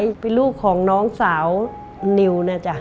ไกรรูปของน้องสาวนิว